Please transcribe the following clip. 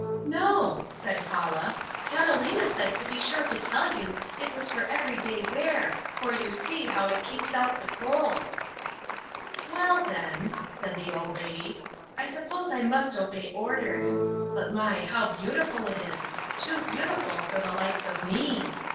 "No," said Paula, "Catalina said to be sure to tell you it was for everyday wear, for you see how it keeps out the cold." "Well, then," said the old lady, "I suppose I must obey orders. But my, how beautiful it is, too beautiful for the likes of me!"